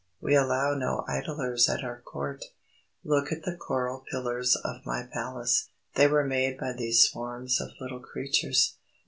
We allow no idlers at our Court. Look at the coral pillars of my palace. They were made by these swarms of little creatures.